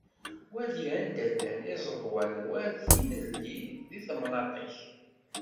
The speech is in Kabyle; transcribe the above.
Wali anda llan izeḍwan war tinelli di temnaṭ-ik.